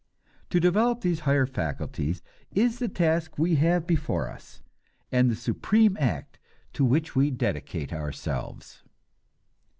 To develop these higher faculties is the task we have before us, and the supreme act to which we dedicate ourselves.